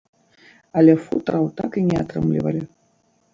Але футраў так і не атрымлівалі.